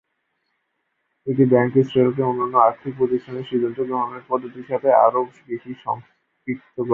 এটি ব্যাংক ইসরায়েলকে অন্যান্য আর্থিক প্রতিষ্ঠানের সিদ্ধান্ত গ্রহণের পদ্ধতির সাথে আরও বেশি সম্পৃক্ত করে।